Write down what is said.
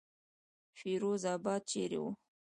فیروز آباد چېرې وو.